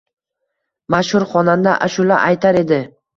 Mashhur xonanda ashula aytar edi